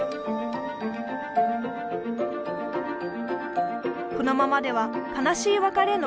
このままでは悲しい別れの連続。